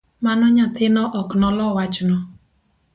Mano nyathino ok nolo wachno